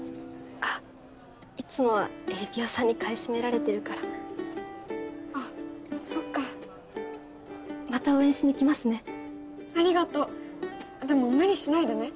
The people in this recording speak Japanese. あっいつもはえりぴよさんに買い占められてるからあっそっかまた応援しに来ますねありがとうでも無理しないでね